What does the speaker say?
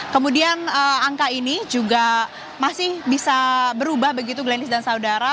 kemudian angka ini juga masih bisa berubah begitu glennis dan saudara